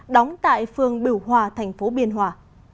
đóng tại phường biểu hòa tp biên hòa